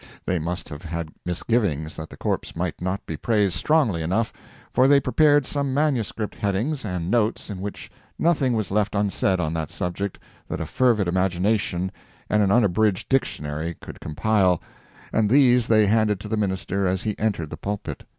They must have had misgivings that the corpse might not be praised strongly enough, for they prepared some manuscript headings and notes in which nothing was left unsaid on that subject that a fervid imagination and an unabridged dictionary could compile, and these they handed to the minister as he entered the pulpit.